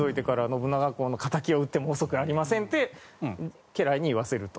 信長公の敵を討っても遅くありません」って家来に言わせると。